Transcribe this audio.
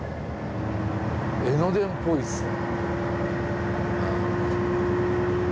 江ノ電っぽいですね。